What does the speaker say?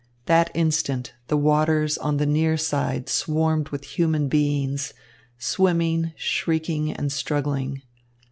That instant the waters on the near side swarmed with human beings, swimming, shrieking, and struggling.